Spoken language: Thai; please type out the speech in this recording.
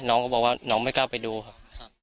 น้องก็บอกว่าน้องไม่กล้าไปดูครับ